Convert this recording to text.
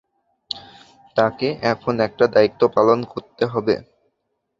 তোকে এখন একটা দায়িত্ব পালন করতে হবে।